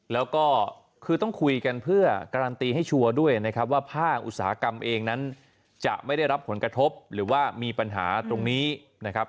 แล้วก็คือต้องคุยกันเพื่อการันตีให้ชัวร์ด้วยนะครับว่าภาคอุตสาหกรรมเองนั้นจะไม่ได้รับผลกระทบหรือว่ามีปัญหาตรงนี้นะครับ